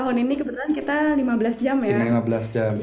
cuma kalau tahun ini kebetulan kita lima belas jam ya